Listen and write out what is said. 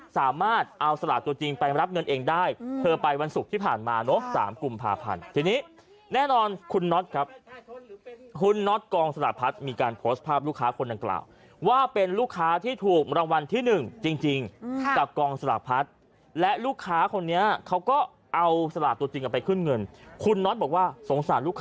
สามารถเอาสลากตัวจริง